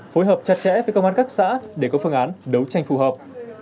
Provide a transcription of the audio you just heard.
phối hợp chặt chẽ với công an các xã để có phương án đấu tranh phù hợp